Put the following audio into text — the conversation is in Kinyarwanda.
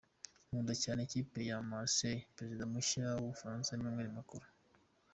Nkunda cyane ikipe ya Marseille” Perezida mushya w’ u Bufaransa Emmanuel Macron.